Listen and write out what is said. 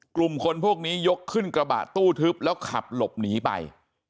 กลุ่มคนพวกนี้ยกขึ้นกระบะตู้ทึบแล้วขับหลบหนีไป